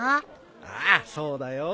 ああそうだよ。